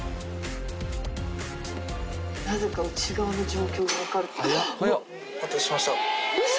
なぜか内側の状況が分かる。